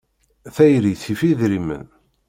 Tayri tif idrimen.